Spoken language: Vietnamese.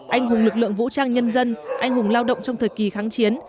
anh hùng lực lượng vũ trang nhân dân anh hùng lao động trong thời kỳ kháng chiến